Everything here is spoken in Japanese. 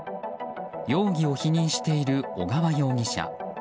容疑を否認している小川容疑者。